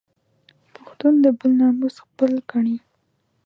پښتون د بل ناموس خپل ګڼي